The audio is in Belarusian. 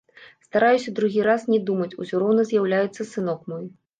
Стараюся другі раз не думаць, усё роўна з'яўляецца сынок мой.